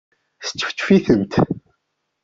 Sčefčef-itent.